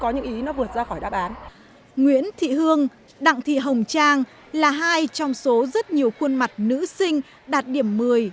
nguyễn thị hương đặng thị hồng trang là hai trong số rất nhiều khuôn mặt nữ sinh đạt điểm một mươi